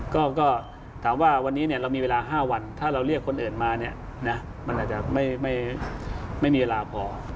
ก็ถามว่าวันนี้เรามีเวลา๕วันถ้าเราเรียกคนอื่นมาเนี่ยนะมันอาจจะไม่มีเวลาพอ